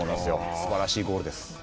すばらしいゴールです。